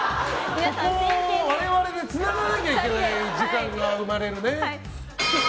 ここを我々でつながなきゃいけない時間が生まれるね。